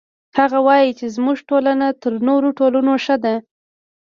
هغه وایي چې زموږ ټولنه تر نورو ټولنو ښه ده